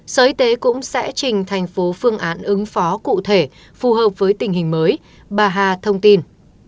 sở y tế cũng sẽ trình thành phố phương án ứng phó cụ thể phù hợp với tình hình mới bà hà thông tin